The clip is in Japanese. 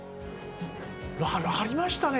ありましたね。